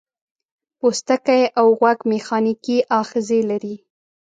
پوستکی او غوږ میخانیکي آخذې لري.